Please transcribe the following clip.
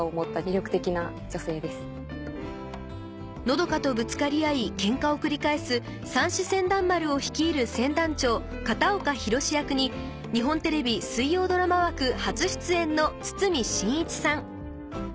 和佳とぶつかり合いケンカを繰り返す「さんし船団丸」を率いる船団長片岡洋役に日本テレビ水曜ドラマ枠初出演の堤真一さん